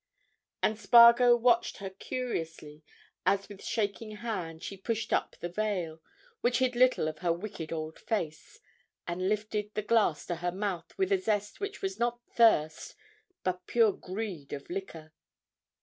And Spargo watched her curiously as with shaking hand she pushed up the veil which hid little of her wicked old face, and lifted the glass to her mouth with a zest which was not thirst but pure greed of liquor.